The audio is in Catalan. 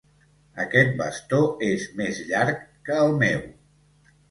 Aquest bastó és més llarg que el meu.